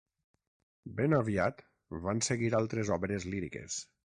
Ben aviat van seguir altres obres líriques.